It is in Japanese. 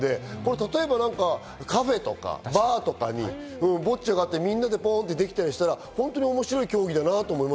例えばカフェとかバーとかにボッチャがあって、みんなでポンってできたりしたら面白い競技だなと思いま